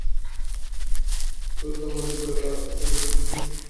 শুরুতে মুন্নির পরিবার আরাফাতের বিরুদ্ধে মুন্নির ঘরে ঢুকে শ্বাসরোধে হত্যার অভিযোগ করে।